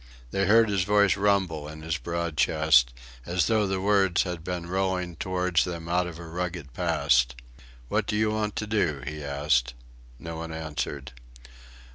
They heard his voice rumble in his broad chest as though the words had been rolling towards them out of a rugged past. "What do you want to do?" he asked. No one answered.